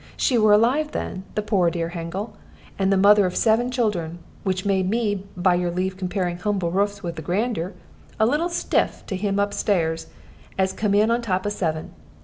She were alive then, the poor dear hangel, and the mother of seven children, which made me, by your leave comparing humble roofs with grandeur, a little stiff to him up stairs, as come in on the top of seven.